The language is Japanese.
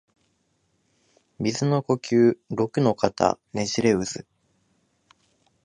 水の呼吸陸ノ型ねじれ渦（ろくのかたねじれうず）